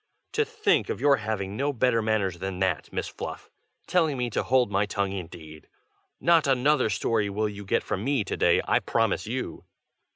"To think of your having no better manners than that, Miss Fluff! telling me to hold my tongue, indeed! not another story will you get from me to day, I promise you!"